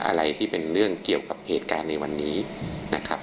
อะไรที่เป็นเรื่องเกี่ยวกับเหตุการณ์ในวันนี้นะครับ